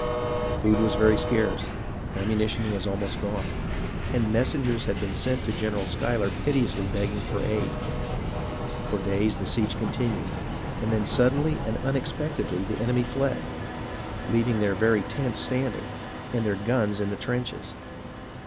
Food was very scarce, ammunition was almost gone, and messengers had been sent to General Schuyler piteously begging for aid. For days the siege continued, and then suddenly and unexpectedly the enemy fled, leaving their very tents standing, and their guns in the trenches.